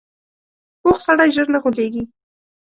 پوخ سړی ژر نه غولېږي